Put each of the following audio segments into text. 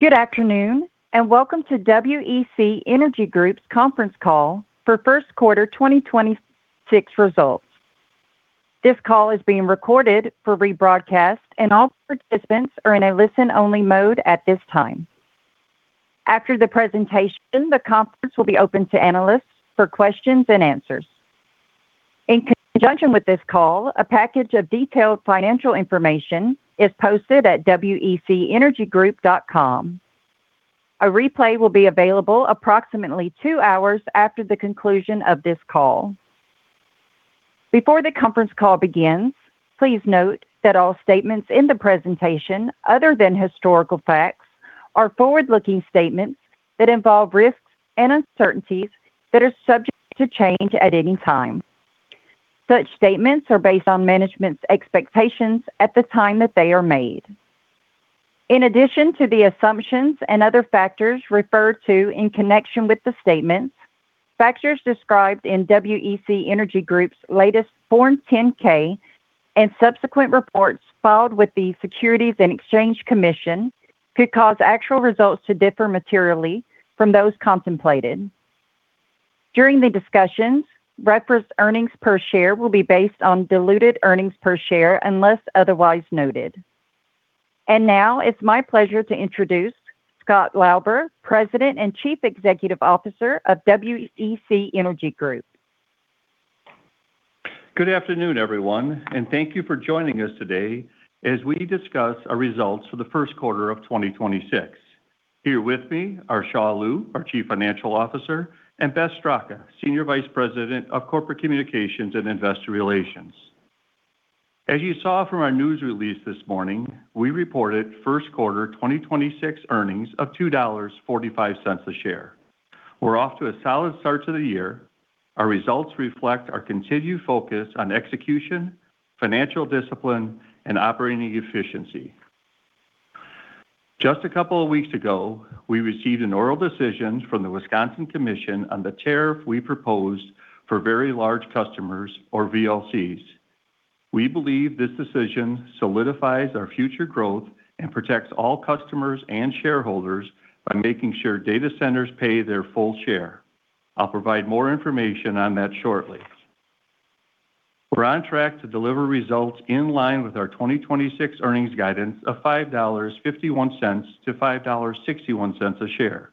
Good afternoon, and welcome to WEC Energy Group's conference call for first quarter 2026 results. This call is being recorded for rebroadcast, and all participants are in a listen-only mode at this time. After the presentation, the conference will be open to analysts for questions-and-answers. In conjunction with this call, a package of detailed financial information is posted at wecenergygroup.com. A replay will be available approximately two hours after the conclusion of this call. Before the conference call begins, please note that all statements in the presentation, other than historical facts, are forward-looking statements that involve risks and uncertainties that are subject to change at any time. Such statements are based on management's expectations at the time that they are made. In addition to the assumptions and other factors referred to in connection with the statements, factors described in WEC Energy Group's latest Form 10-K and subsequent reports filed with the Securities and Exchange Commission could cause actual results to differ materially from those contemplated. During the discussions, referenced earnings per share will be based on diluted earnings per share unless otherwise noted. Now it's my pleasure to introduce Scott Lauber, President and Chief Executive Officer of WEC Energy Group. Good afternoon, everyone, and thank you for joining us today as we discuss our results for the 1st quarter of 2026. Here with me are Xia Liu, our Chief Financial Officer, and Beth Straka, Senior Vice President of Corporate Communications and Investor Relations. As you saw from our news release this morning, we reported 1st quarter 2026 earnings of $2.45 a share. We're off to a solid start to the year. Our results reflect our continued focus on execution, financial discipline, and operating efficiency. Just a couple of weeks ago, we received an oral decision from the Wisconsin Commission on the tariff we proposed for very large customers or VLCs. We believe this decision solidifies our future growth and protects all customers and shareholders by making sure data centers pay their full share. I'll provide more information on that shortly. We're on track to deliver results in line with our 2026 earnings guidance of $5.51 to $5.61 a share.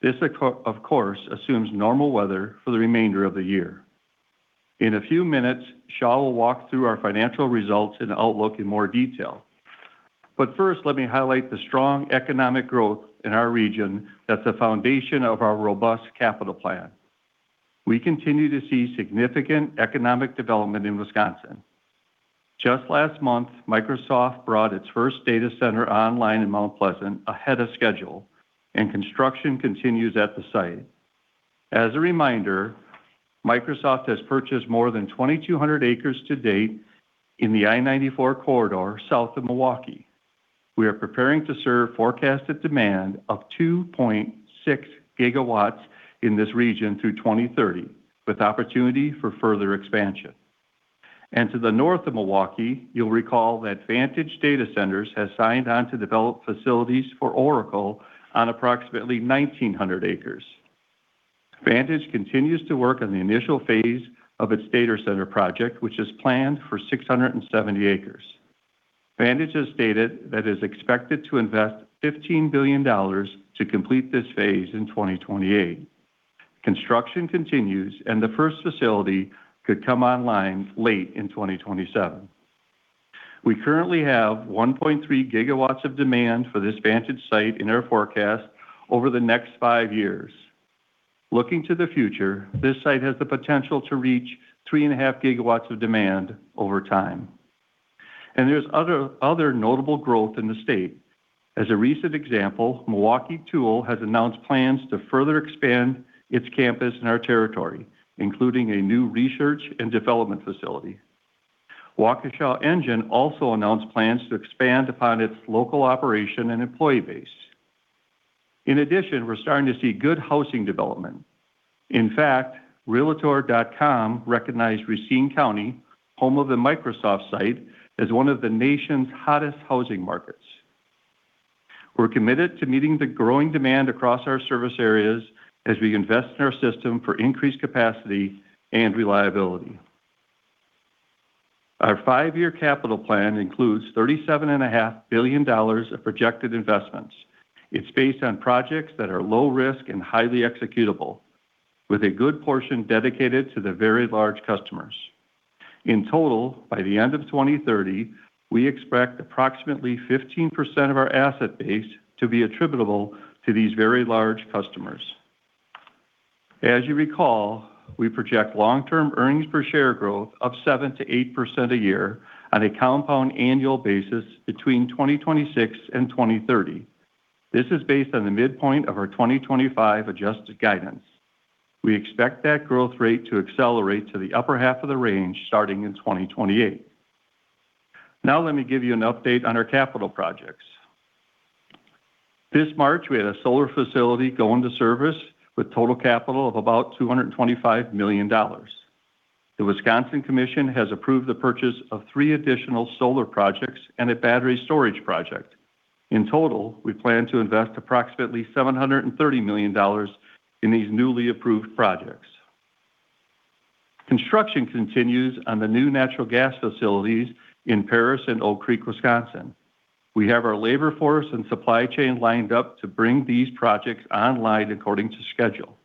This of course, assumes normal weather for the remainder of the year. In a few minutes, Xia will walk through our financial results and outlook in more detail. First, let me highlight the strong economic growth in our region that's the foundation of our robust capital plan. We continue to see significant economic development in Wisconsin. Just last month, Microsoft brought its first data center online in Mount Pleasant ahead of schedule, and construction continues at the site. As a reminder, Microsoft has purchased more than 2,200 acres to date in the I-94 corridor, south of Milwaukee. We are preparing to serve forecasted demand of 2.6 GW in this region through 2030, with opportunity for further expansion. To the north of Milwaukee, you'll recall that Vantage Data Centers has signed on to develop facilities for Oracle on approximately 1,900 acres. Vantage continues to work on the initial phase of its data center project, which is planned for 670 acres. Vantage has stated that it's expected to invest $15 billion to complete this phase in 2028. Construction continues, and the first facility could come online late in 2027. We currently have 1.3 GW of demand for this Vantage site in our forecast over the next five years. Looking to the future, this site has the potential to reach 3.5 GW of demand over time. There's other notable growth in the state. As a recent example, Milwaukee Tool has announced plans to further expand its campus in our territory, including a new research and development facility. Waukesha Engine also announced plans to expand upon its local operation and employee base. We're starting to see good housing development. In fact, realtor.com recognized Racine County, home of the Microsoft site, as one of the nation's hottest housing markets. We're committed to meeting the growing demand across our service areas as we invest in our system for increased capacity and reliability. Our five-year capital plan includes $37.5 Billion of projected investments. It's based on projects that are low risk and highly executable, with a good portion dedicated to the very large customers. By the end of 2030, we expect approximately 15% of our asset base to be attributable to these very large customers. As you recall, we project long-term earnings per share growth of 7% to 8% a year on a compound annual basis between 2026 and 2030. This is based on the midpoint of our 2025 adjusted guidance. We expect that growth rate to accelerate to the upper half of the range starting in 2028. Let me give you an update on our capital projects. This March, we had a solar facility go into service with total capital of about $225 million. The Wisconsin Commission has approved the purchase of three additional solar projects and a battery storage project. In total, we plan to invest approximately $730 million in these newly approved projects. Construction continues on the new natural gas facilities in Paris and Oak Creek, Wisconsin. We have our labor force and supply chain lined up to bring these projects online according to schedule.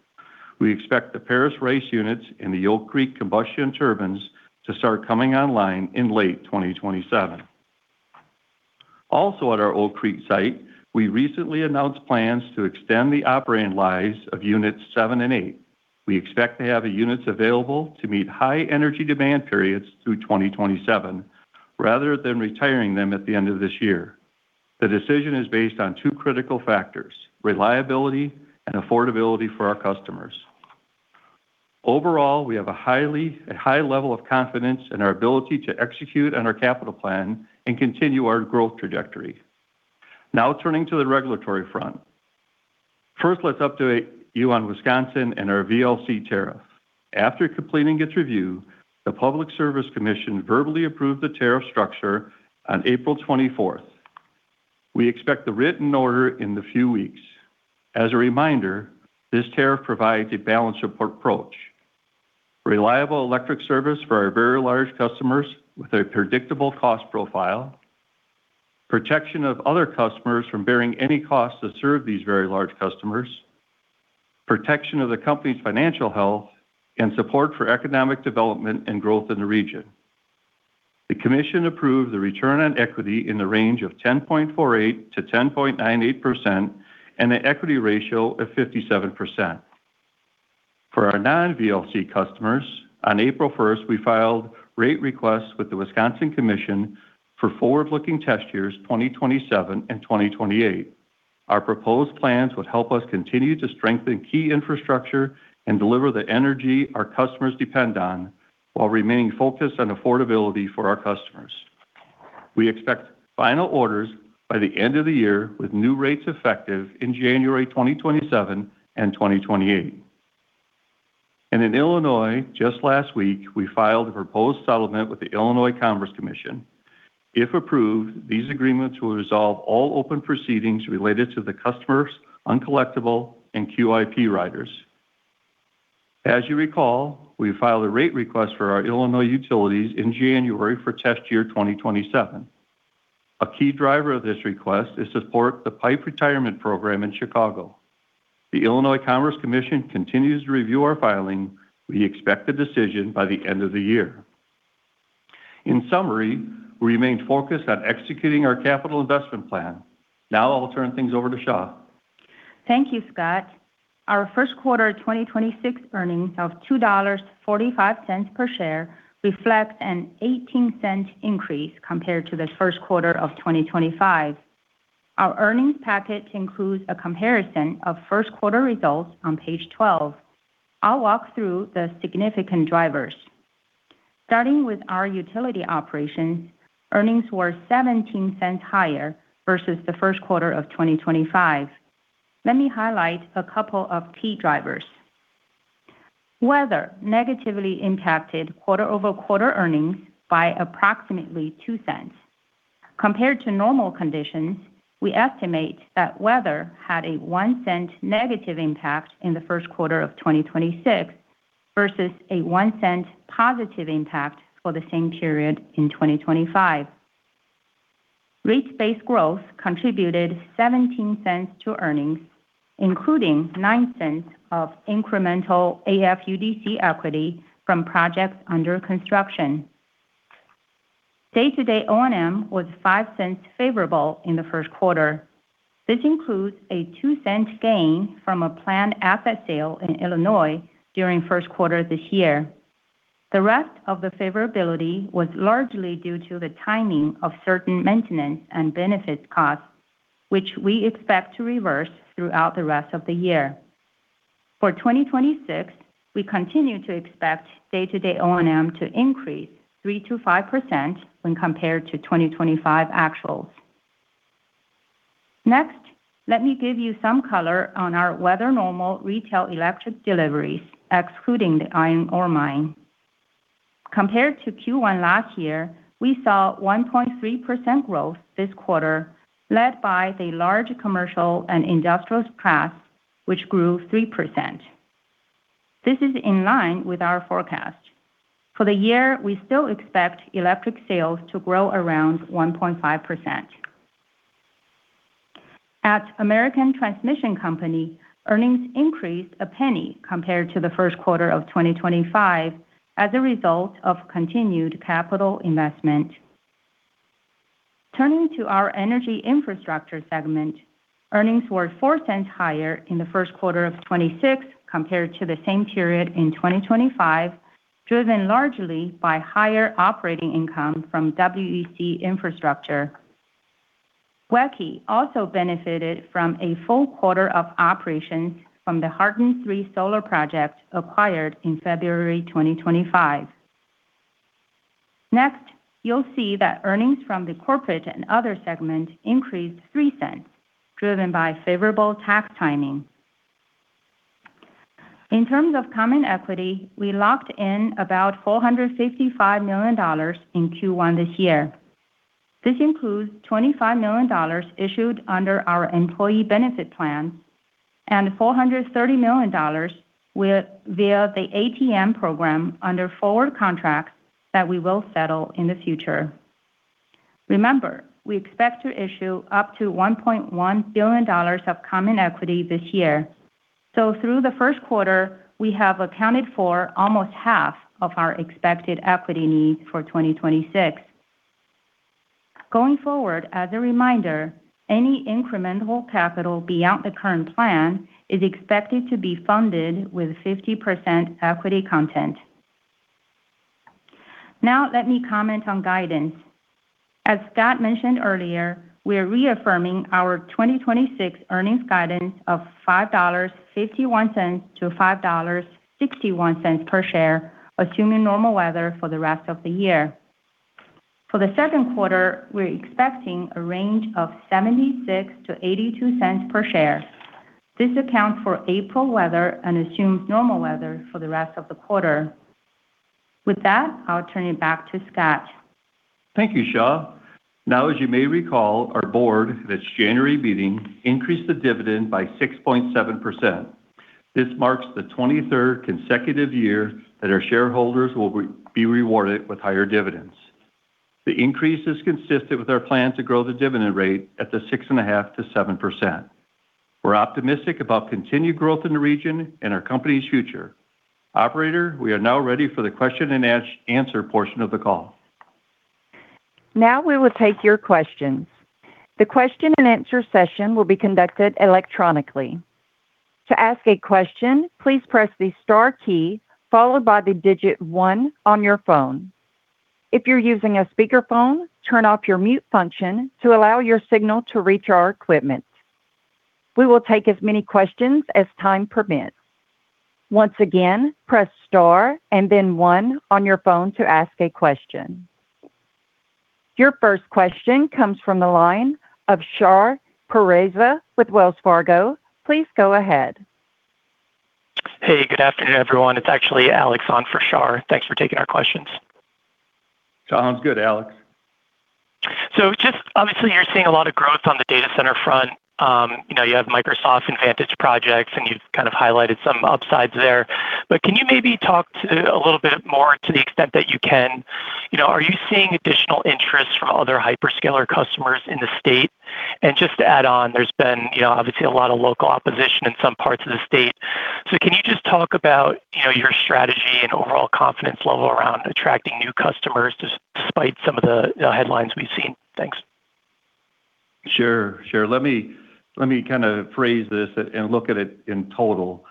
We expect the Paris RICE units and the Oak Creek combustion turbines to start coming online in late 2027. Also at our Oak Creek site, we recently announced plans to extend the operating lives of units seven and eight. We expect to have the units available to meet high energy demand periods through 2027, rather than retiring them at the end of this year. The decision is based on two critical factors, reliability and affordability for our customers. Overall, we have a high level of confidence in our ability to execute on our capital plan and continue our growth trajectory. Turning to the regulatory front. First, let's update you on Wisconsin and our VLC tariff. After completing its review, the Public Service Commission of Wisconsin verbally approved the tariff structure on April 24th. We expect the written order in the few weeks. As a reminder, this tariff provides a balanced approach. Reliable electric service for our very large customers with a predictable cost profile, protection of other customers from bearing any costs to serve these very large customers, protection of the company's financial health, and support for economic development and growth in the region. The commission approved the return on equity in the range of 10.48%-10.98% and an equity ratio of 57%. For our non-VLC customers, on April 1st, we filed rate requests with the Wisconsin Commission for forward-looking test years 2027 and 2028. Our proposed plans would help us continue to strengthen key infrastructure and deliver the energy our customers depend on while remaining focused on affordability for our customers. We expect final orders by the end of the year with new rates effective in January 2027 and 2028. In Illinois, just last week, we filed a proposed settlement with the Illinois Commerce Commission. If approved, these agreements will resolve all open proceedings related to the customer's uncollectible and QIP riders. As you recall, we filed a rate request for our Illinois utilities in January for test year 2027. A key driver of this request is to support the pipe retirement program in Chicago. The Illinois Commerce Commission continues to review our filing. We expect a decision by the end of the year. In summary, we remain focused on executing our capital investment plan. Now I'll turn things over to Xia. Thank you, Scott. Our first quarter 2026 earnings of $2.45 per share reflect an $0.18 increase compared to the first quarter of 2025. Our earnings packet includes a comparison of first quarter results on page 12. I'll walk through the significant drivers. Starting with our utility operations, earnings were $0.17 higher versus the first quarter of 2025. Let me highlight a couple of key drivers. Weather negatively impacted quarter-over-quarter earnings by approximately $0.02. Compared to normal conditions, we estimate that weather had a $0.01 negative impact in the first quarter of 2026 versus a $0.01 positive impact for the same period in 2025. Rate-based growth contributed $0.17 to earnings, including $0.09 of incremental AFUDC equity from projects under construction. Day-to-day O&M was $0.05 favorable in the first quarter. This includes a $0.02 gain from a planned asset sale in Illinois during first quarter this year. The rest of the favorability was largely due to the timing of certain maintenance and benefits costs, which we expect to reverse throughout the rest of the year. For 2026, we continue to expect day-to-day O&M to increase 3%-5% when compared to 2025 actuals. Let me give you some color on our weather normal retail electric deliveries, excluding the Iron Ore Mine. Compared to Q1 last year, we saw 1.3% growth this quarter, led by the large commercial and industrial class, which grew 3%. This is in line with our forecast. For the year, we still expect electric sales to grow around 1.5%. At American Transmission Company, earnings increased $0.01 compared to the first quarter of 2025 as a result of continued capital investment. Turning to our energy infrastructure segment, earnings were $0.04 higher in the first quarter of 2026 compared to the same period in 2025, driven largely by higher operating income from WEC Infrastructure. WEC also benefited from a full quarter of operations from the Hardin III Solar Energy Center acquired in February 2025. Next, you'll see that earnings from the corporate and other segment increased $0.03, driven by favorable tax timing. In terms of common equity, we locked in about $455 million in Q1 this year. This includes $25 million issued under our employee benefit plan and $430 million via the ATM program under forward contracts that we will settle in the future. Remember, we expect to issue up to $1.1 billion of common equity this year. Through the first quarter, we have accounted for almost half of our expected equity needs for 2026. Going forward, as a reminder, any incremental capital beyond the current plan is expected to be funded with 50% equity content. Let me comment on guidance. As Scott mentioned earlier, we are reaffirming our 2026 earnings guidance of $5.51 to $5.61 per share, assuming normal weather for the rest of the year. For the second quarter, we're expecting a range of $0.76-$0.82 per share. This accounts for April weather and assumes normal weather for the rest of the quarter. With that, I'll turn it back to Scott. Thank you, Xia. As you may recall, our board, this January meeting, increased the dividend by 6.7%. This marks the 23rd consecutive year that our shareholders will be rewarded with higher dividends. The increase is consistent with our plan to grow the dividend rate at the 6.5%-7%. We're optimistic about continued growth in the region and our company's future. Operator, we are now ready for the question-and-answer portion of the call. Your first question comes from the line of Shar Pourreza with Wells Fargo. Please go ahead. Hey, good afternoon, everyone. It's actually Alex on for Shar. Thanks for taking our questions. Sounds good, Alex. Just obviously, you're seeing a lot of growth on the data center front. You know, you have Microsoft and Vantage projects, and you've kind of highlighted some upsides there. Can you maybe talk to a little bit more to the extent that you can? You know, are you seeing additional interest from other hyperscaler customers in the state? Just to add on, there's been, you know, obviously a lot of local opposition in some parts of the state. Can you just talk about, you know, your strategy and overall confidence level around attracting new customers despite some of the headlines we've seen? Thanks. Sure. Sure. Let me kind of phrase this and look at it in total.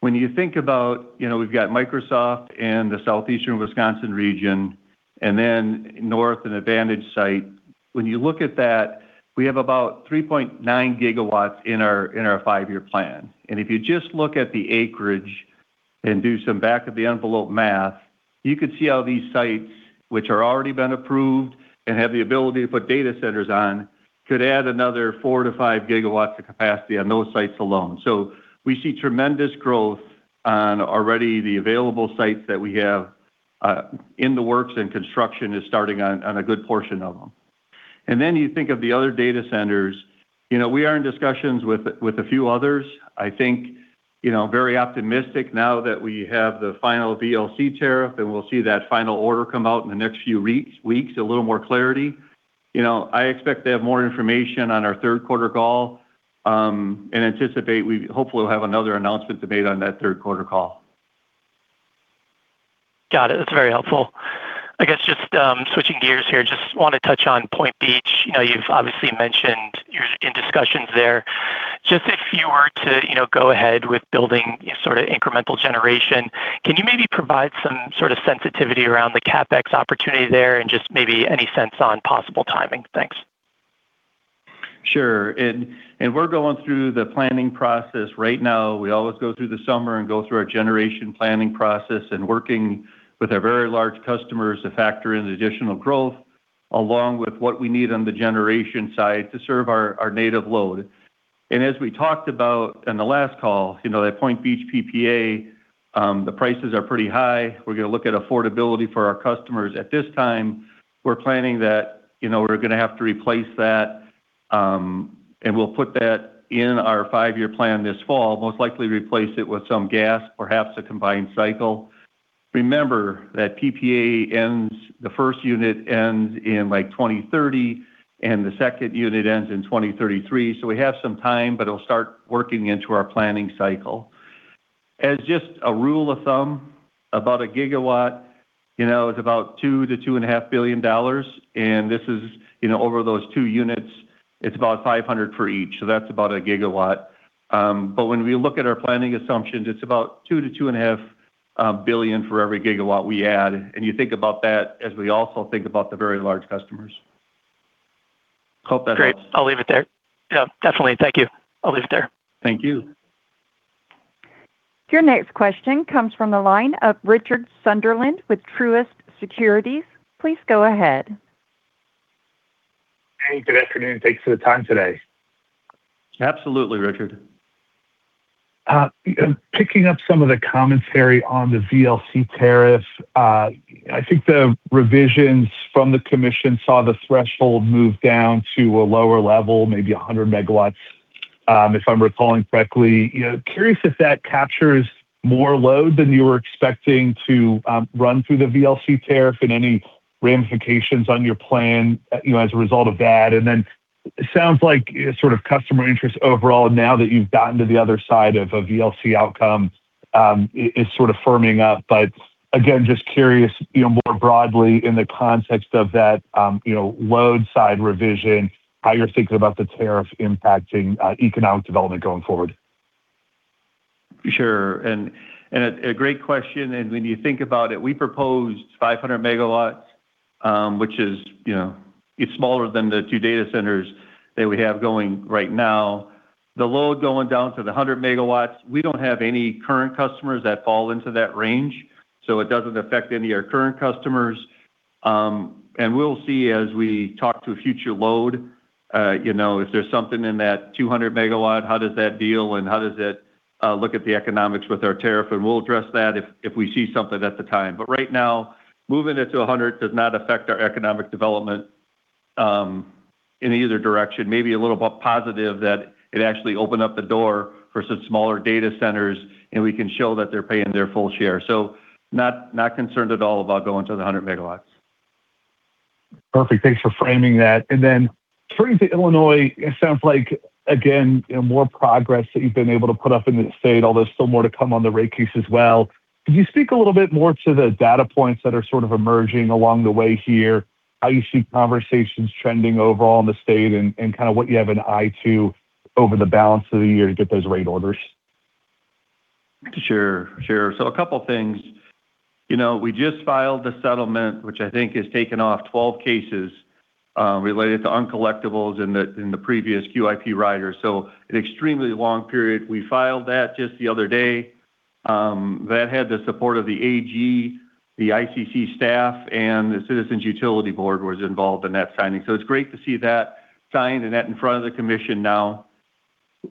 When you think about, you know, we've got Microsoft and the Southeastern Wisconsin region and then north a Vantage site. When you look at that, we have about 3.9 GW in our five-year plan. If you just look at the acreage and do some back of the envelope math, you could see how these sites, which are already been approved and have the ability to put data centers on, could add another 4-5 GW of capacity on those sites alone. We see tremendous growth on already the available sites that we have in the works, and construction is starting on a good portion of them. You think of the other data centers. You know, we are in discussions with a few others. I think, you know, very optimistic now that we have the final VLC tariff, and we'll see that final order come out in the next few weeks, a little more clarity. You know, I expect to have more information on our third quarter call, anticipate we hopefully will have another announcement to make on that third quarter call. Got it. That's very helpful. I guess just, switching gears here, just want to touch on Point Beach. You know, you've obviously mentioned you're in discussions there. Just if you were to, you know, go ahead with building sort of incremental generation, can you maybe provide some sort of sensitivity around the CapEx opportunity there and just maybe any sense on possible timing? Thanks. Sure. We're going through the planning process right now. We always go through the summer and go through our generation planning process and working with our very large customers to factor in the additional growth, along with what we need on the generation side to serve our native load. As we talked about on the last call, you know, that Point Beach PPA, the prices are pretty high. We're gonna look at affordability for our customers. At this time, we're planning that, you know, we're gonna have to replace that, and we'll put that in our five-year plan this fall, most likely replace it with some gas, perhaps a combined cycle. Remember that PPA ends, the first unit ends in like 2030, and the second unit ends in 2033. We have some time, but it'll start working into our planning cycle. As just a rule of thumb, about a gigawatt, you know, is about $2 billion-$2.5 billion. This is, you know, over those two units, it's about $500 for each, so that's about a gigawatt. When we look at our planning assumptions, it's about $2 billion-$2.5 billion for every gigawatt we add. You think about that as we also think about the very large customers. Hope that helps. Great. I'll leave it there. Yeah, definitely. Thank you. I'll leave it there. Thank you. Your next question comes from the line of Richard Sunderland with Truist Securities. Please go ahead. Hey, good afternoon. Thanks for the time today. Absolutely, Richard. Picking up some of the commentary on the VLC tariff, I think the revisions from the commission saw the threshold move down to a lower level, maybe 100 MW, if I'm recalling correctly. You know, curious if that captures more load than you were expecting to run through the VLC tariff and any ramifications on your plan, you know, as a result of that. It sounds like sort of customer interest overall now that you've gotten to the other side of a VLC outcome, is sort of firming up. Again, just curious, you know, more broadly in the context of that, you know, load side revision, how you're thinking about the tariff impacting economic development going forward. Sure. A great question. When you think about it, we proposed 500 MW, which is, you know, it's smaller than the two data centers that we have going right now. The load going down to the 100 MW, we don't have any current customers that fall into that range. It doesn't affect any of our current customers. We'll see as we talk to future load, you know, if there's something in that 200 MW, how does that deal and how does it look at the economics with our tariff. We'll address that if we see something at the time. Right now, moving it to 100 does not affect our economic development in either direction. Maybe a little bit positive that it actually opened up the door for some smaller data centers, and we can show that they're paying their full share. Not concerned at all about going to the 100 MW. Perfect. Thanks for framing that. Turning to Illinois, it sounds like again, you know, more progress that you've been able to put up in the state, although still more to come on the rate case as well. Could you speak a little bit more to the data points that are sort of emerging along the way here, how you see conversations trending overall in the state and kind of what you have an eye to over the balance of the year to get those rate orders? Sure. Sure. A couple things. You know, we just filed the settlement, which I think has taken off 12 cases, related to uncollectibles in the, in the previous QIP riders. An extremely long period. We filed that just the other day. That had the support of the AG, the ICC staff, and the Citizens Utility Board was involved in that signing. It's great to see that signed and that in front of the commission now.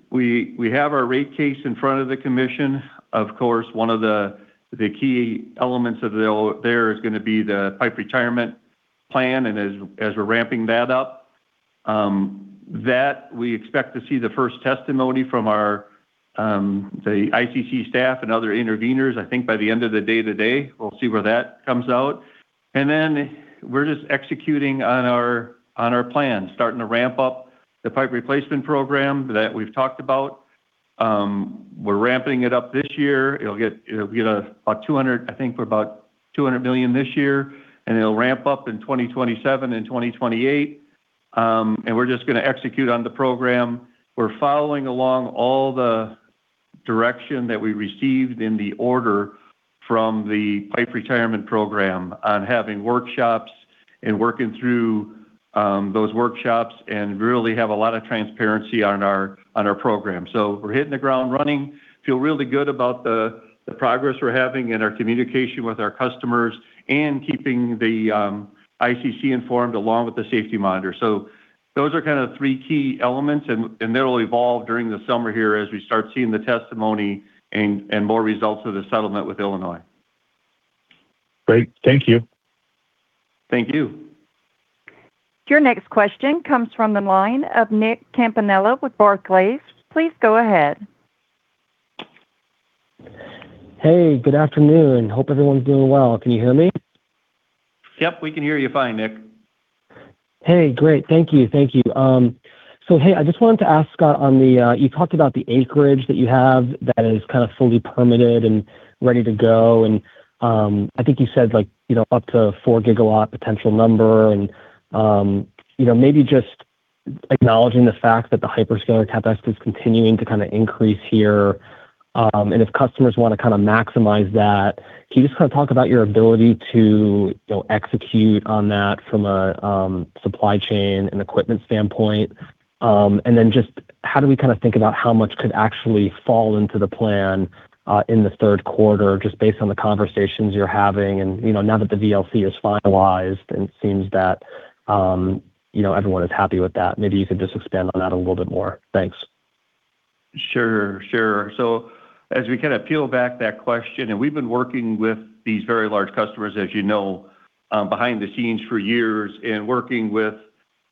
We have our rate case in front of the commission. Of course, one of the key elements there is gonna be the Paris RICE plant retirement plan, and as we're ramping that up, that we expect to see the first testimony from our, the ICC staff and other interveners, I think by the end of the day today. We'll see where that comes out. We're just executing on our plan, starting to ramp up the Pipe Replacement Program that we've talked about. We're ramping it up this year. It'll get about $200 million this year, and it'll ramp up in 2027 and 2028. We're just gonna execute on the program. We're following along all the direction that we received in the order from the Pipe Retirement Program on having workshops and working through those workshops and really have a lot of transparency on our program. We're hitting the ground running. Feel really good about the progress we're having and our communication with our customers and keeping the ICC informed along with the safety monitor. Those are kind of the three key elements, and that'll evolve during the summer here as we start seeing the testimony and more results of the settlement with Illinois. Great. Thank you. Thank you. Your next question comes from the line of Nicholas Campanella with Barclays. Please go ahead. Hey, good afternoon. Hope everyone's doing well. Can you hear me? Yep, we can hear you fine, Nick. Hey, great. Thank you. Thank you. Hey, I just wanted to ask, Scott, on the, you talked about the acreage that you have that is kind of fully permitted and ready to go. I think you said like, you know, up to 4 GW potential number. You know, maybe just acknowledging the fact that the hyperscaler capex is continuing to kind of increase here, and if customers want to kind of maximize that, can you just kind of talk about your ability to, you know, execute on that from a supply chain and equipment standpoint? Just how do we kind of think about how much could actually fall into the plan in the third quarter, just based on the conversations you're having and, you know, now that the VLC is finalized, and it seems that, you know, everyone is happy with that? Maybe you could just expand on that a little bit more. Thanks. Sure. Sure. As we kind of peel back that question, and we've been working with these very large customers, as you know, behind the scenes for years and working with,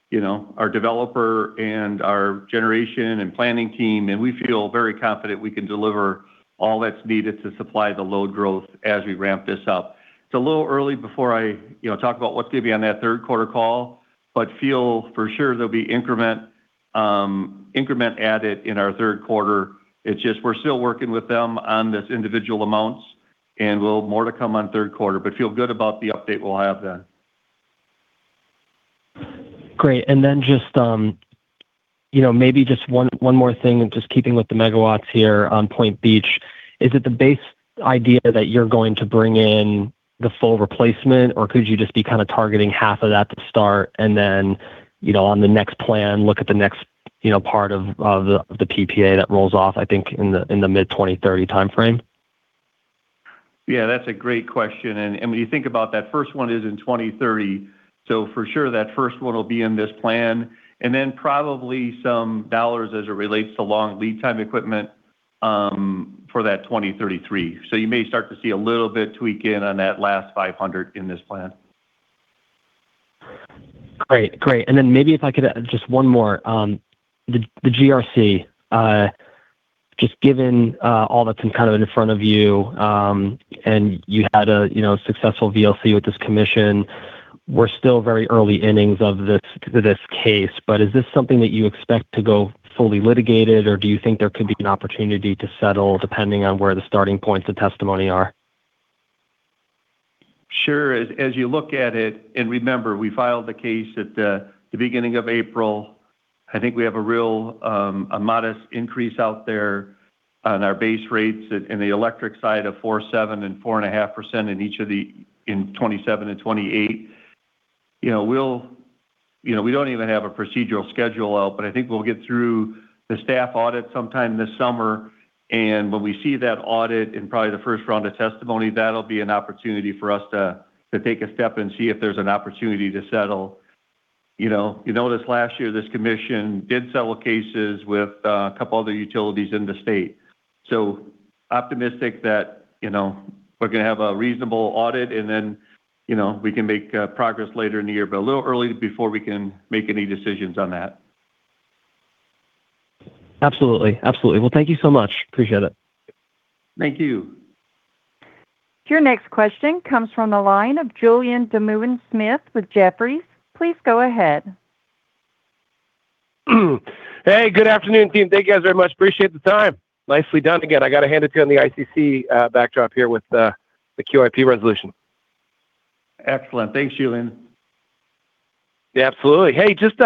you know, our developer and our generation and planning team, and we feel very confident we can deliver all that's needed to supply the load growth as we ramp this up. It's a little early before I, you know, talk about what's going to be on that third quarter call, but feel for sure there'll be increment added in our third quarter. It's just we're still working with them on this individual amounts, and we'll-- more to come on third quarter. Feel good about the update we'll have then. Great. Then just, you know, maybe just one more thing and just keeping with the megawatts here on Point Beach. Is it the base idea that you're going to bring in the full replacement, or could you just be kind of targeting half of that to start and then, you know, on the next plan? You know, part of the PPA that rolls off, I think, in the mid-2030 timeframe. Yeah, that's a great question. When you think about that first one is in 2030. For sure that first one will be in this plan, and then probably some dollars as it relates to long lead time equipment for that 2033. You may start to see a little bit tweak in on that last $500 in this plan. Great. Great. Then maybe if I could, just one more. The GRC, just given, all that's been kind of in front of you, and you had a, you know, successful VLC with this commission, we're still very early innings of this case, but is this something that you expect to go fully litigated, or do you think there could be an opportunity to settle depending on where the starting points of testimony are? Sure. As you look at it. Remember, we filed the case at the beginning of April. I think we have a real, a modest increase out there on our base rates in the electric side of 4.7% and 4.5% in each of the in 2027 and 2028. You know, we don't even have a procedural schedule out, but I think we'll get through the staff audit sometime this summer. When we see that audit in probably the first round of testimony, that'll be an opportunity for us to take a step and see if there's an opportunity to settle. You know, this last year, this commission did settle cases with a couple other utilities in the state. Optimistic that, you know, we're going to have a reasonable audit and then, you know, we can make progress later in the year, but a little early before we can make any decisions on that. Absolutely. Well, thank you so much. Appreciate it. Thank you. Your next question comes from the line of Julien Dumoulin-Smith with Jefferies. Please go ahead. Hey, good afternoon, team. Thank you guys very much. Appreciate the time. Nicely done again. I got to hand it to you on the ICC backdrop here with the QIP resolution. Excellent. Thanks, Julien. Yeah, absolutely. Hey, just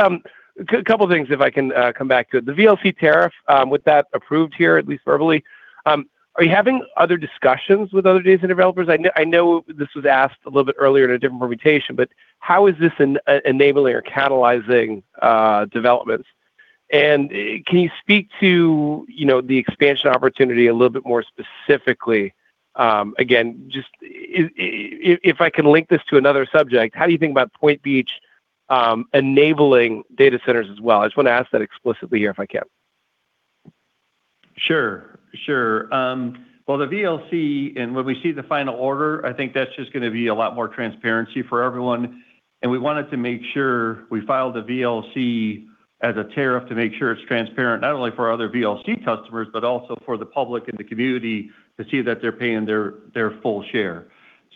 a couple of things if I can come back to it. The VLC tariff, with that approved here, at least verbally, are you having other discussions with other data developers? I know this was asked a little bit earlier in a different permutation, how is this enabling or catalyzing developments? Can you speak to, you know, the expansion opportunity a little bit more specifically? Again, just if I can link this to another subject, how do you think about Point Beach enabling data centers as well? I just want to ask that explicitly here, if I can. Sure. Sure. Well, the VLC and when we see the final order, I think that's just gonna be a lot more transparency for everyone. We wanted to make sure we filed a VLC as a tariff to make sure it's transparent, not only for other VLC customers, but also for the public and the community to see that they're paying their full share.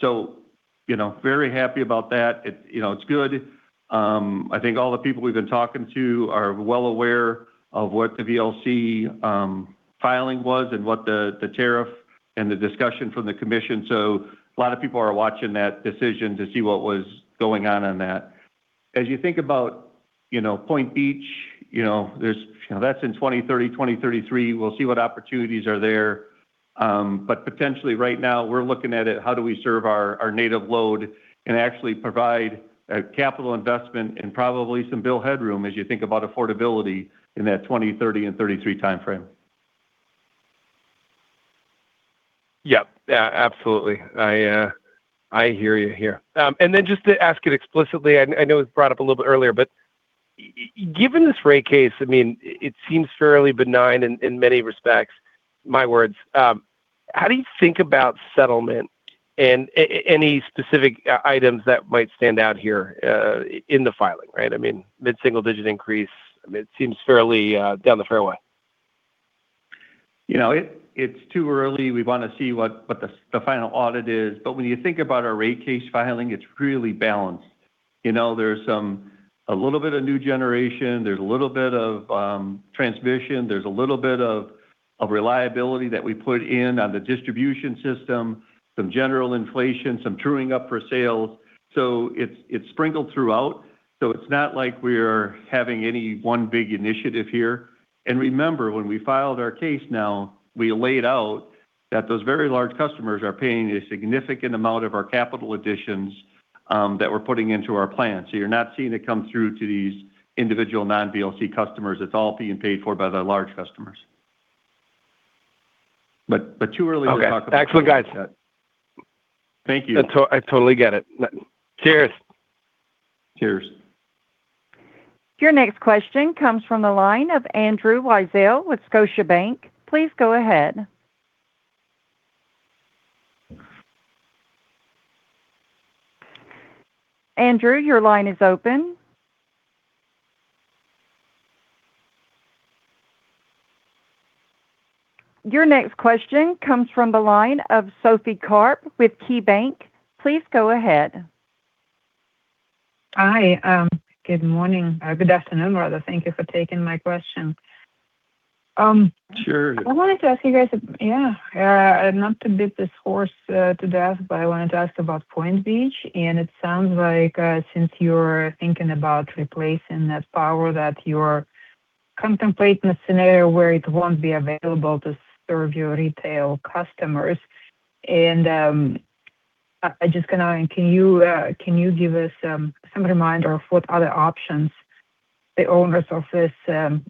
You know, very happy about that. It's, you know, it's good. I think all the people we've been talking to are well aware of what the VLC filing was and what the tariff and the discussion from the commission. A lot of people are watching that decision to see what was going on on that. As you think about, you know, Point Beach, you know, there's, you know, that's in 2030, 2033. We'll see what opportunities are there. Potentially right now we're looking at it, how do we serve our native load and actually provide a capital investment and probably some bill headroom as you think about affordability in that 2030 and 2033 timeframe. Yep. Yeah, absolutely. I hear you here. Just to ask it explicitly, I know it was brought up a little bit earlier, but given this rate case, I mean, it seems fairly benign in many respects, my words. How do you think about settlement and any specific items that might stand out here in the filing, right? I mean, mid-single digit increase, I mean, it seems fairly down the fairway. You know, it's too early. We want to see what the final audit is. When you think about our rate case filing, it's really balanced. You know, there's a little bit of new generation, there's a little bit of transmission, there's a little bit of reliability that we put in on the distribution system, some general inflation, some truing up for sales. It's sprinkled throughout, so it's not like we're having any one big initiative here. Remember, when we filed our case now, we laid out that those very large customers are paying a significant amount of our capital additions that we're putting into our plan. You're not seeing it come through to these individual non-VLC customers. It's all being paid for by the large customers. Too early to talk about that. Okay. Excellent, guys. Thank you. I totally get it. Cheers. Cheers. Your next question comes from the line of Andrew Weisel with Scotiabank. Please go ahead. Andrew, your line is open. Your next question comes from the line of Sophie Karp with KeyBanc. Please go ahead. Hi. Good morning. Good afternoon, rather. Thank you for taking my question. Sure. I wanted to ask you guys, yeah, not to beat this horse to death, but I wanted to ask about Point Beach, and it sounds like, since you're thinking about replacing that power that you're contemplating a scenario where it won't be available to serve your retail customers. Can you give us some reminder of what other options the owners of this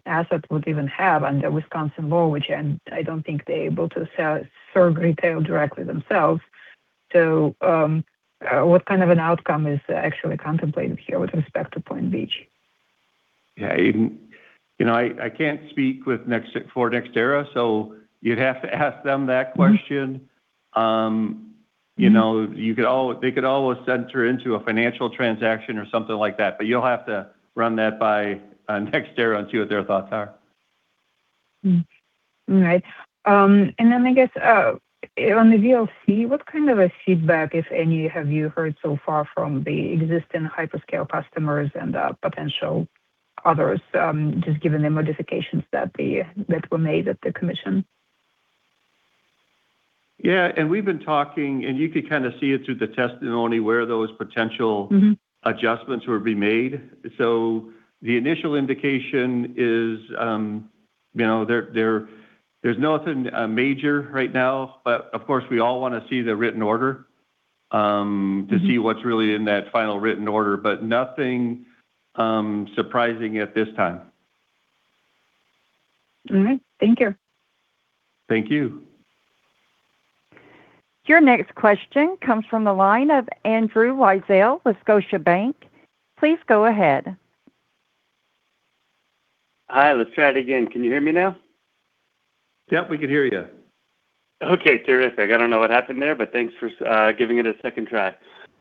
asset would even have under Wisconsin law? Which, I don't think they're able to sell it through retail directly themselves to, what kind of an outcome is actually contemplated here with respect to Point Beach? Yeah. Even, you know, I can't speak for NextEra, you'd have to ask them that question. You know, they could always enter into a financial transaction or something like that. You'll have to run that by NextEra and see what their thoughts are. All right. I guess on the VLC, what kind of a feedback, if any, have you heard so far from the existing hyperscale customers and potential others, just given the modifications that were made at the commission? Yeah. We've been talking, and you could kind of see it through the testimony. Adjustments would be made. The initial indication is, you know, there's nothing major right now. Of course, we all want to see the written order. To see what's really in that final written order. Nothing surprising at this time. All right. Thank you. Thank you. Your next question comes from the line of Andrew Weisel with Scotiabank. Please go ahead. Hi. Let's try it again. Can you hear me now? Yep, we can hear you. Okay. Terrific. I don't know what happened there, but thanks for giving it a second try.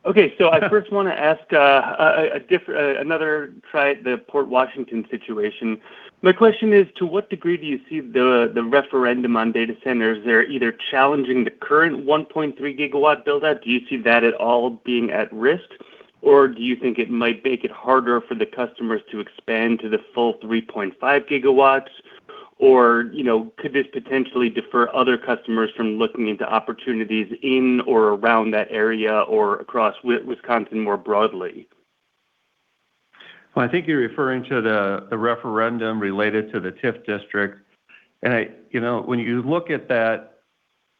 Okay. I first wanna ask, another the Port Washington situation. My question is, to what degree do you see the referendum on data centers, they're either challenging the current 1.3 GW build-up? Do you see that at all being at risk, or do you think it might make it harder for the customers to expand to the full 3.5 GW? You know, could this potentially defer other customers from looking into opportunities in or around that area or across Wisconsin more broadly? Well, I think you're referring to the referendum related to the TIF district. You know, when you look at that,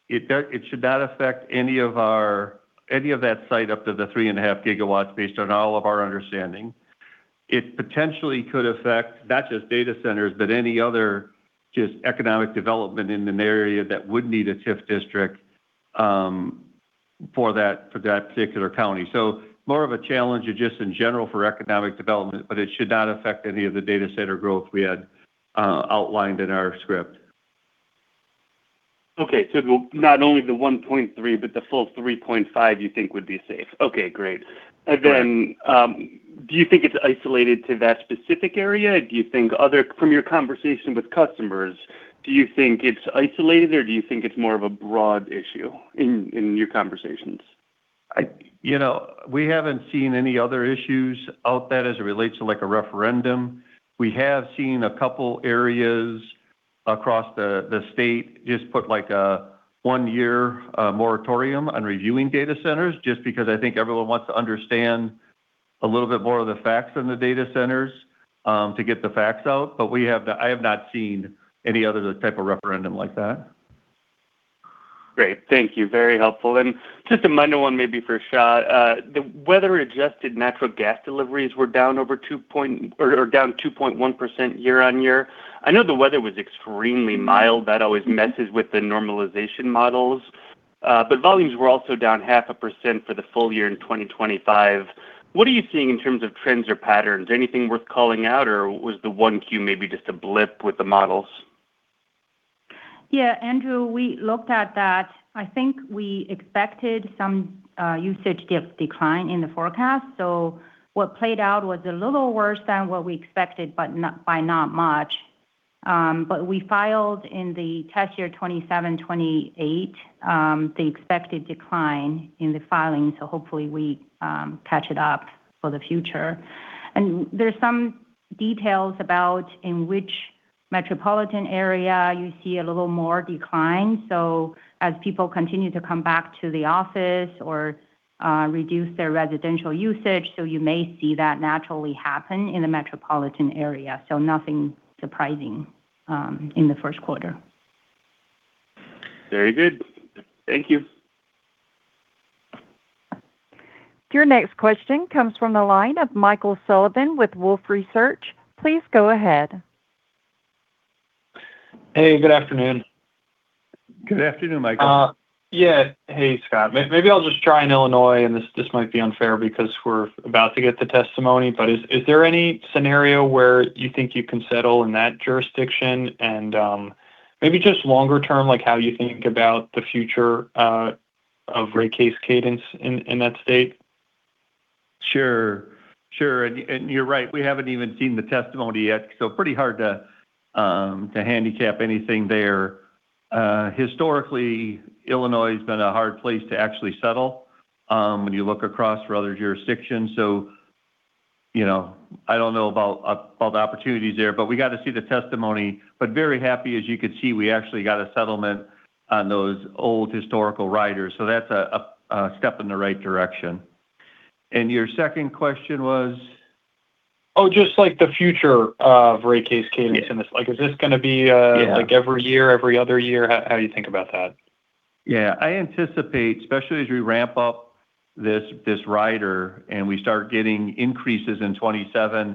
it should not affect any of that site up to the 3.5 GW based on all of our understanding. It potentially could affect not just data centers, but any other just economic development in an area that would need a TIF district for that particular county. More of a challenge just in general for economic development, but it should not affect any of the data center growth we had outlined in our script. Okay. It will not only the 1.3 GW, but the full 3.5 GW you think would be safe. Okay, great. Do you think it's isolated to that specific area? Do you think From your conversation with customers, do you think it's isolated or do you think it's more of a broad issue in your conversations? I You know, we haven't seen any other issues out there as it relates to like a referendum. We have seen a couple areas across the state just put like a one year moratorium on reviewing data centers just because I think everyone wants to understand a little bit more of the facts on the data centers to get the facts out. I have not seen any other type of referendum like that. Great. Thank you. Very helpful. Just a minor one maybe for Xia. The weather-adjusted natural gas deliveries were down 2.1% year-on-year. I know the weather was extremely mild. That always messes with the normalization models. Volumes were also down 0.5% for the full year in 2025. What are you seeing in terms of trends or patterns? Anything worth calling out, or was the 1Q maybe just a blip with the models? Yeah, Andrew, we looked at that. I think we expected some usage decline in the forecast. What played out was a little worse than what we expected, but by not much. We filed in the test year 2027/2028 the expected decline in the filing, hopefully we catch it up for the future. There's some details about in which metropolitan area you see a little more decline, as people continue to come back to the office or reduce their residential usage, you may see that naturally happen in the metropolitan area. Nothing surprising in the first quarter. Very good. Thank you. Your next question comes from the line of Michael Sullivan with Wolfe Research. Please go ahead. Hey, good afternoon. Good afternoon, Michael. Yeah. Hey, Scott. Maybe I'll just try in Illinois, and this might be unfair because we're about to get the testimony. Is there any scenario where you think you can settle in that jurisdiction and maybe just longer term, like how you think about the future of rate case cadence in that state? Sure. Sure. You're right. We haven't even seen the testimony yet, pretty hard to handicap anything there. Historically, Illinois has been a hard place to actually settle, when you look across for other jurisdictions. You know, I don't know about the opportunities there, we got to see the testimony. Very happy, as you could see, we actually got a settlement on those old historical riders. That's a step in the right direction. Your second question was? Just like the future of rate case cadence. Yeah It's like, is this gonna be? Yeah like every year, every other year? How do you think about that? Yeah. I anticipate, especially as we ramp up this rider and we start getting increases in 2027,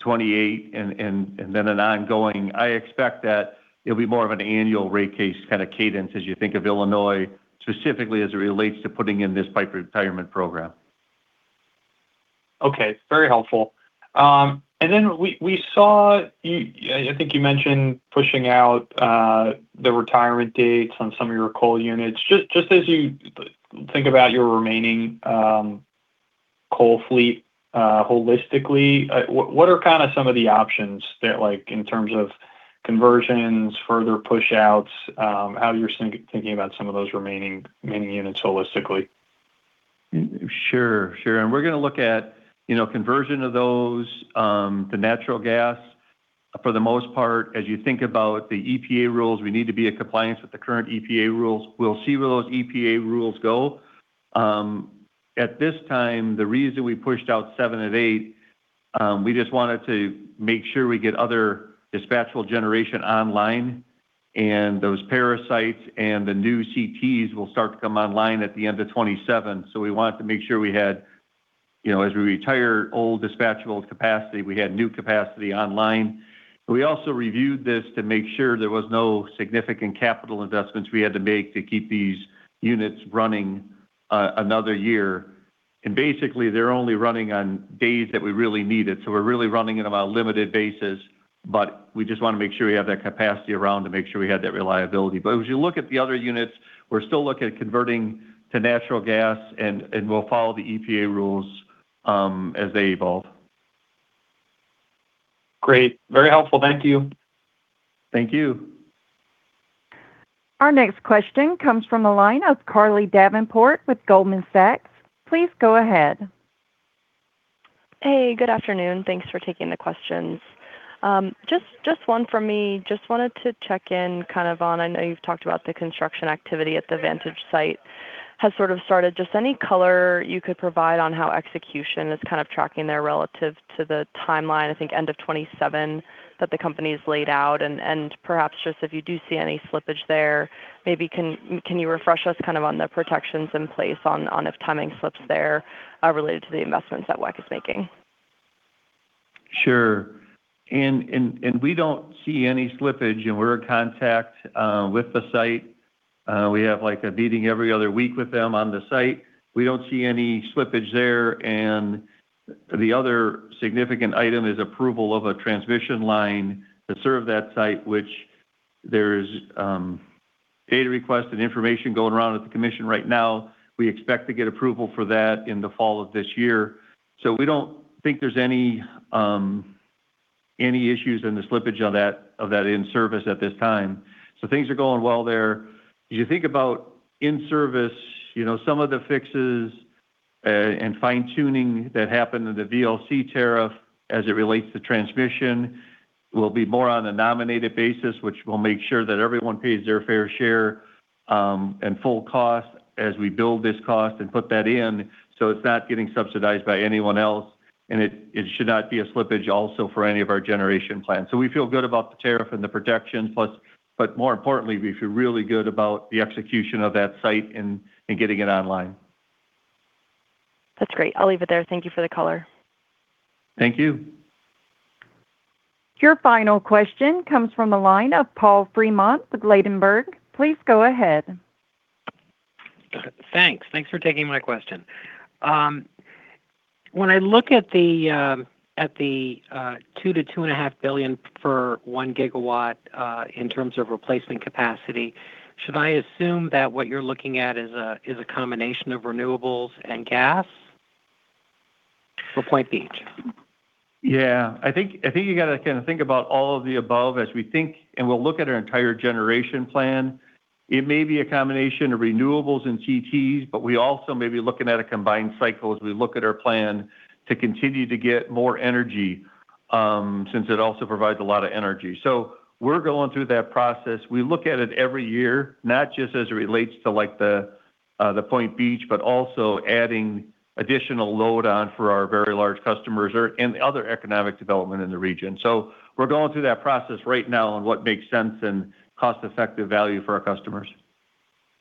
2028 and then an ongoing, I expect that it'll be more of an annual rate case kind of cadence as you think of Illinois, specifically as it relates to putting in this pipe retirement program. Okay. Very helpful. We saw you I think you mentioned pushing out the retirement dates on some of your coal units. Just as you think about your remaining coal fleet holistically, what are kind of some of the options that like in terms of conversions, further push-outs, how you're thinking about some of those remaining units holistically? Sure, sure. We're going to look at, you know, conversion of those, the natural gas. For the most part, as you think about the EPA rules, we need to be in compliance with the current EPA rules. We'll see where those EPA rules go. At this time, the reason we pushed out seven and eight, we just wanted to make sure we get other dispatchable generation online, and those Paris RICE plant and the new CTs will start to come online at the end of 2027. We wanted to make sure we had, you know, as we retire old dispatchable capacity, we had new capacity online. We also reviewed this to make sure there was no significant capital investments we had to make to keep these units running another year. Basically, they're only running on days that we really need it, so we're really running it on a limited basis, but we just wanna make sure we have that capacity around to make sure we had that reliability. As you look at the other units, we're still looking at converting to natural gas and we'll follow the EPA rules as they evolve. Great. Very helpful. Thank you. Thank you. Our next question comes from the line of Carly Davenport with Goldman Sachs. Please go ahead. Hey, good afternoon. Thanks for taking the questions. Just one for me. Just wanted to check in kind of on, I know you've talked about the construction activity at the Vantage site has sort of started. Just any color you could provide on how execution is kind of tracking there relative to the timeline, I think end of 2027 that the company's laid out? Perhaps just if you do see any slippage there, can you refresh us kind of on the protections in place on if timing slips there related to the investments that WEC is making? Sure. We don't see any slippage, and we're in contact with the site. We have, like, a meeting every other week with them on the site. We don't see any slippage there. The other significant item is approval of a transmission line to serve that site, which there is data request and information going around at the commission right now. We expect to get approval for that in the fall of this year. We don't think there's any issues in the slippage of that in-service at this time. Things are going well there. You think about in-service, you know, some of the fixes, and fine-tuning that happened in the VLC tariff as it relates to transmission will be more on a nominated basis, which will make sure that everyone pays their fair share, and full cost as we build this cost and put that in, so it's not getting subsidized by anyone else, and it should not be a slippage also for any of our generation plans. We feel good about the tariff and the protection plus. More importantly, we feel really good about the execution of that site and getting it online. That's great. I'll leave it there. Thank you for the color. Thank you. Your final question comes from the line of Paul Fremont with Ladenburg. Please go ahead. Thanks. Thanks for taking my question. When I look at the $2 billion-$2.5 billion per 1 GW in terms of replacement capacity, should I assume that what you're looking at is a combination of renewables and gas for Point Beach? Yeah. I think you gotta think about all of the above as we think. We'll look at our entire generation plan. It may be a combination of renewables and CTs. We also may be looking at a combined cycle as we look at our plan to continue to get more energy, since it also provides a lot of energy. We're going through that process. We look at it every year, not just as it relates to, like, the Point Beach, but also adding additional load on for our very large customers or other economic development in the region. We're going through that process right now on what makes sense and cost-effective value for our customers.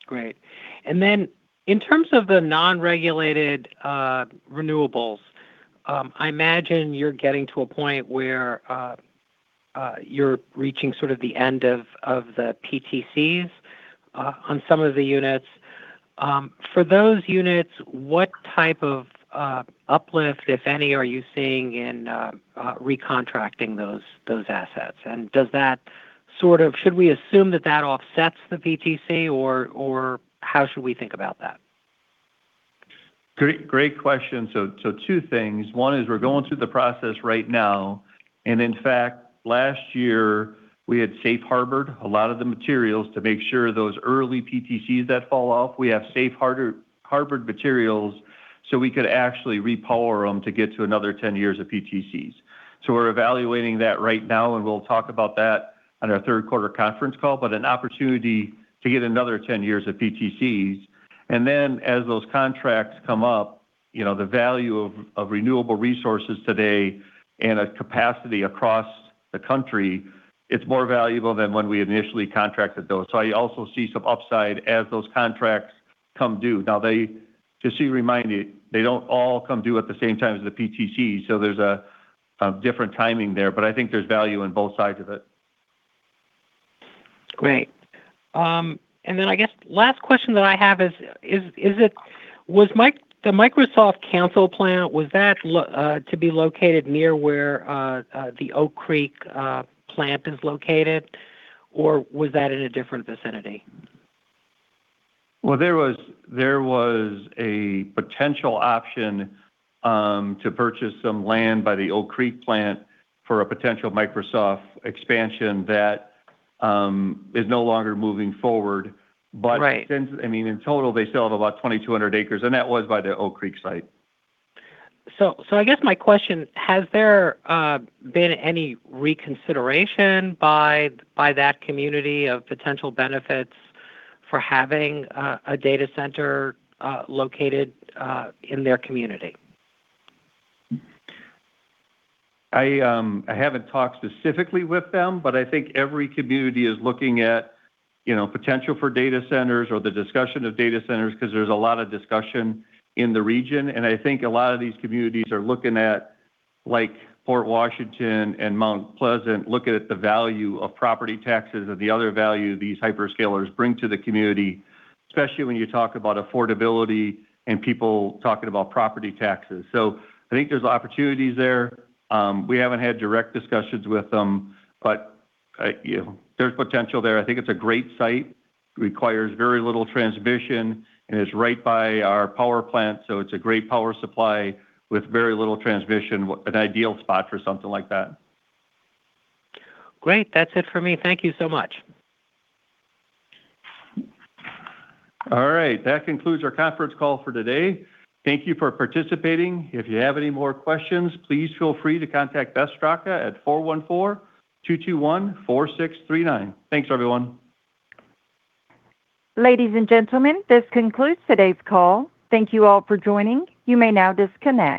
Great. In terms of the non-regulated renewables, I imagine you're getting to a point where you're reaching sort of the end of the PTCs on some of the units. For those units, what type of uplift, if any, are you seeing in recontracting those assets? Should we assume that that offsets the PTC, or how should we think about that? Great question. Two things. One is we're going through the process right now. In fact, last year, we had safe harbored a lot of the materials to make sure those early PTCs that fall off, we have safe harbored materials, so we could actually repower them to get to another 10 years of PTCs. We're evaluating that right now, and we'll talk about that on our third quarter conference call. An opportunity to get another 10 years of PTCs. As those contracts come up, you know, the value of renewable resources today and a capacity across the country, it's more valuable than when we initially contracted those. I also see some upside as those contracts come due. Now, just so you're reminded, they don't all come due at the same time as the PTCs, so there's a different timing there. I think there's value in both sides of it. Great. I guess last question that I have is it the Microsoft Mount Pleasant, was that to be located near where the Oak Creek plant is located? Or was that in a different vicinity? There was a potential option to purchase some land by the Oak Creek plant for a potential Microsoft expansion that is no longer moving forward. Right since, I mean, in total, they still have about 2,200 acres, and that was by the Oak Creek site. I guess my question, has there been any reconsideration by that community of potential benefits for having a data center located in their community? I haven't talked specifically with them, but I think every community is looking at, you know, potential for data centers or the discussion of data centers 'cause there's a lot of discussion in the region. I think a lot of these communities are looking at, like, Port Washington and Mount Pleasant, looking at the value of property taxes and the other value these hyperscalers bring to the community, especially when you talk about affordability and people talking about property taxes. I think there's opportunities there. We haven't had direct discussions with them, but, you know, there's potential there. I think it's a great site. It requires very little transmission, and it's right by our power plant, so it's a great power supply with very little transmission. an ideal spot for something like that. Great. That's it for me. Thank you so much. All right. That concludes our conference call for today. Thank you for participating. If you have any more questions, please feel free to contact Beth Straka at 414-221-4639. Thanks, everyone. Ladies and gentlemen, this concludes today's call. Thank you all for joining. You may now disconnect.